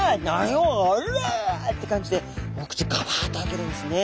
おら！」って感じでお口ガバッと開けるんですね。